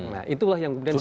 nah itulah yang kemudian